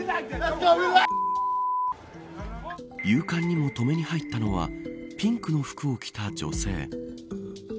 勇敢にも止めに入ったのはピンクの服を着た女性。